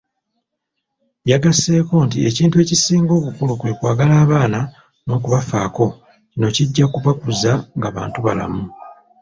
Yagasseeko nti ekintu ekisinga obukulu kwe kwagala abaana n'okubafaako, kino kijja kubakuza nga bantubalamu.